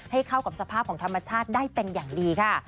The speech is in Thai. ให้เข้ากับสภาพของธรรมชาติได้เป็นอย่างดีค่ะ